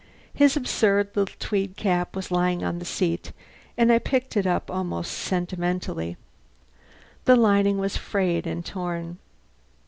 His absurd little tweed cap was lying on the seat, and I picked it up almost sentimentally. The lining was frayed and torn.